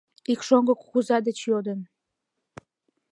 Ик шоҥго кугыза деч йодым: